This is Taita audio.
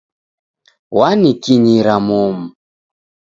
Wanikinyira momu.